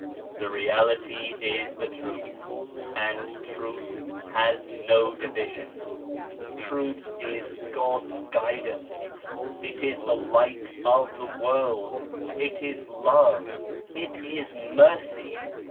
The Reality is the Truth, and Truth has no division. Truth is God's guidance, it is the Light of the World, it is Love, it is Mercy.